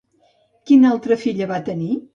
Quina altra filla va tenir?